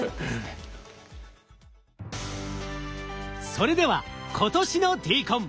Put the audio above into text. それでは今年のＤＣＯＮ！